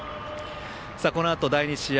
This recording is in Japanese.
このあと第２試合